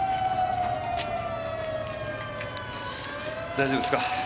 大丈夫ですか？